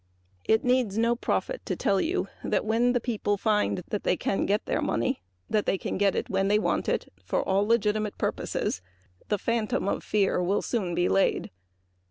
It needs no prophet to tell you that when the people find that they can get their money that they can get it when they want it for all legitimate purposes the phantom of fear will soon be laid.